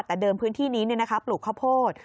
แต่เดิมพื้นที่นี้ปลูกข้าวโพด